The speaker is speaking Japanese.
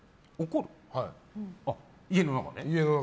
家の中で？